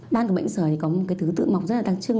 ban của bệnh sởi có một cái thứ tự mọc rất là đặc trưng